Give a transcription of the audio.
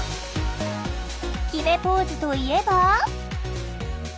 きめポーズといえば。